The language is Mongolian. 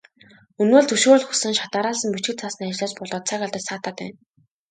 Өнөө л зөвшөөрөл хүссэн шат дараалсан бичиг цаасны ажлаас болоод цаг алдаж саатаад байна.